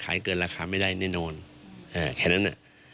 เกินราคาไม่ได้แน่นอนแค่นั้น